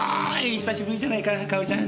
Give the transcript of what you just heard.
久しぶりじゃないかかおりちゃん。